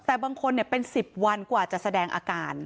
แต่บางคนเป็น๑๐วันกว่าจะแสดงอาการ